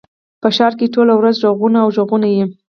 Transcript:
په ښار کښي ټوله ورځ ږغونه او ږغونه يي.